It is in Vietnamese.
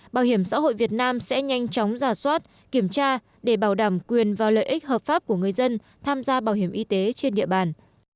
bảo hiểm xã hội việt nam sẽ nhanh chóng giả soát kiểm tra để bảo đảm quyền và lợi ích hợp pháp của người dân tham gia bảo hiểm y tế trên địa bàn